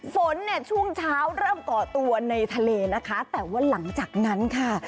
ฝนเนี่ยช่วงเช้าเริ่มก่อตัวในทะเลนะคะแต่ว่าหลังจากนั้นค่ะ